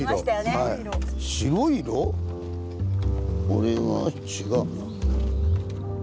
これは違うな。